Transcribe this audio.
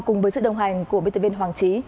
cùng với sự đồng hành của btv hoàng trí